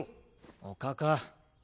おかか！